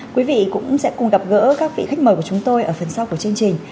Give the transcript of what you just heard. quý vị cũng sẽ cùng gặp gỡ các vị khách mời của chúng tôi ở phần sau của chương trình